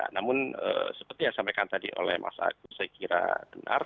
namun seperti yang disampaikan tadi oleh mas agus saya kira benar